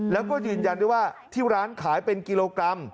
แล้วก็ยืนยันด้วยว่าที่ร้านขายเป็นกิโลกรัม